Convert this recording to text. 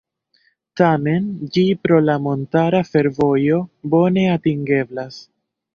Tamen ĝi pro la montara fervojo bone atingeblas.